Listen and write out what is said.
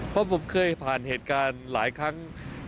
เพราะผมเคยผ่านเหตุการณ์หลายครั้ง